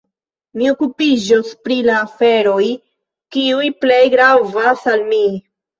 Mi okupiĝos pri la aferoj, kiuj plej gravas al mi.